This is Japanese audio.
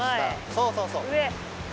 そうそうそう。